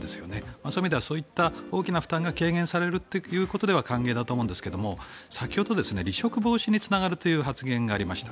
そういう意味ではそういった大きな負担が軽減されるということは歓迎だと思いますが先ほど離職防止につながるという発言がありました。